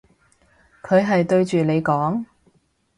佢係對住你講？